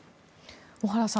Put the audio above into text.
小原さん